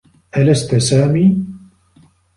ألست سامي؟